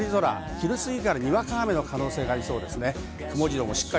昼過ぎからにわか雨の可能性がありそうです。